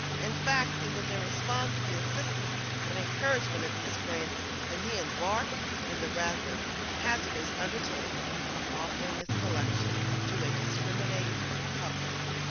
In fact, it was in response to the insistence and encouragement of these friends that he embarked in the rather hazardous undertaking of offering this collection to a discriminating public.